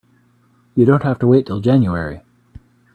You don't have to wait till January.